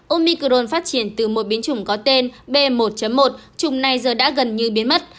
omicron phát triển từ một biến chủng có tên b một một trùng này giờ đã gần như biến mất